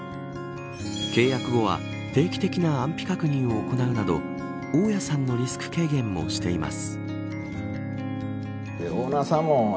契約後は定期的な安否確認を行うなど大家さんのリスク軽減もしています。